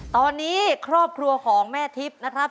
ตอนนี้ครอบครัวของแม่ทิพย์นะครับ